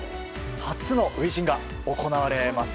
初の初陣が行われます。